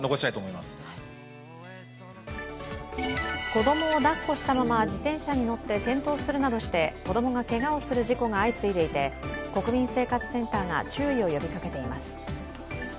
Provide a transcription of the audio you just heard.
子供を抱っこしたまま自転車に乗って転倒するなどして子どもがけがをする事故が相次いでいて国民生活センターが注意を呼びかけています。